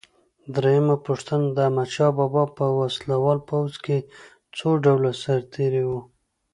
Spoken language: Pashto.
درېمه پوښتنه: د احمدشاه بابا په وسله وال پوځ کې څو ډوله سرتیري وو؟